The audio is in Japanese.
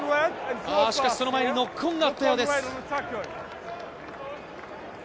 その前にノックオンがあったようです。